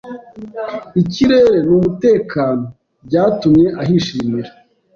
ikirere n’umutekano.byatumye ahishimira